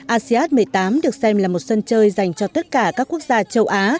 asean một mươi tám được xem là một sân chơi dành cho tất cả các quốc gia châu á